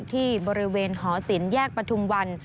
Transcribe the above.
ที่บริเวณหอศิลป์แยกประทุมวัน